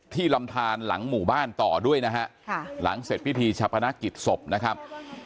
ลำทานหลังหมู่บ้านต่อด้วยนะฮะหลังเสร็จพิธีชะพนักกิจศพนะครับ